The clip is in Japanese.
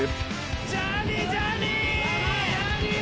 ジャーニージャーニー！